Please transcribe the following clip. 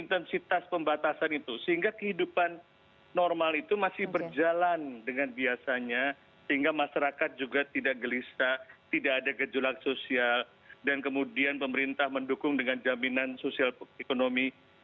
intensitas pembatasan itu sehingga kehidupan normal itu masih berjalan dengan biasanya sehingga masyarakat juga tidak gelisah tidak ada gejolak sosial dan kemudian pemerintah mendukung dengan jaminan sosial ekonomi